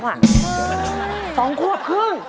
๒กว่าครึ่ง